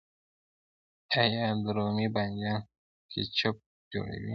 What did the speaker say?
آیا د رومي بانجان کیچپ جوړیږي؟